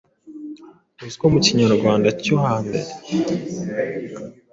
Ruswa mu Kinyarwanda cyo hambere